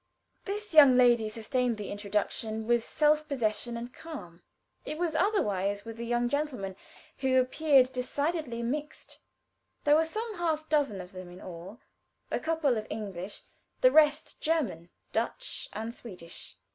This young lady sustained the introduction with self possession and calm. It was otherwise with the young gentlemen, who appeared decidedly mixed. There were some half dozen of them in all a couple of English, the rest German, Dutch, and Swedish.